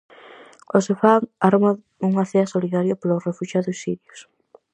O Sofán arma unha cea solidaria polos refuxiados sirios.